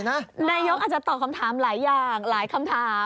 นายกอาจจะตอบคำถามหลายอย่างหลายคำถาม